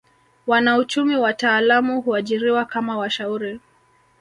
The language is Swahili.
Wanauchumi wataalamu huajiriwa kama washauri